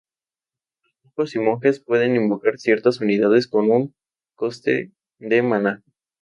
Los brujos y monjes pueden invocar ciertas unidades, con un coste de maná.